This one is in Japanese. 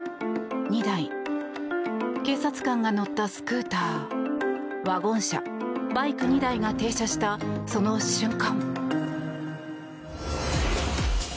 信号の手前で車が１台、２台警察官が乗ったスクーターワゴン車、バイク２台が停車したその瞬間。